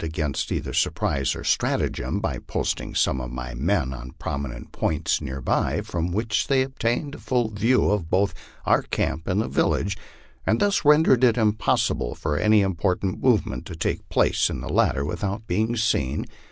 against either surprise or strategem, by posting some of my men on promi nent points near by, from which they obtained a full view of both our camp and the village, and thus rendered it impossible for any important move ment to take place in the latter without being seen.